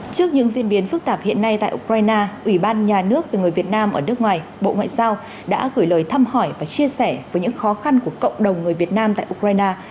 trước những diễn biến phức tạp hiện nay tại ukraine ủy ban nhà nước về người việt nam ở nước ngoài bộ ngoại giao đã gửi lời thăm hỏi và chia sẻ với những khó khăn của cộng đồng người việt nam tại ukraine